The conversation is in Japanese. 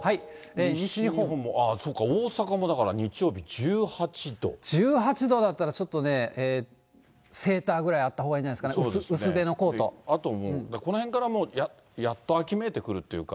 西日本も、ああそうか、１８度だったら、ちょっとね、セーターぐらいあったほうがいいんじゃないですか、あともう、このへんからやっと秋めいてくるっていうか。